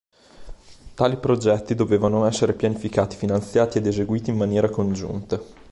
Tali progetti dovevano essere pianificati, finanziati ed eseguiti in maniera congiunta.